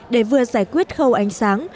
để vừa giải quyết khâu ánh sáng